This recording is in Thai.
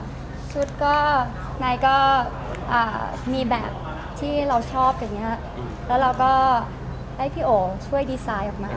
อเรนนี่ชุดก็นายก็มีแบบที่เราชอบอย่างนี้แล้วเราก็ให้พี่โอช่วยดีไซน์ออกมาค่ะ